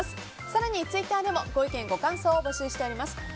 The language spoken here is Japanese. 更にツイッターでもご意見、ご感想を募集しています。